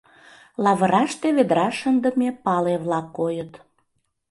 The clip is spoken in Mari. Лавыраште ведра шындыме пале-влак койыт.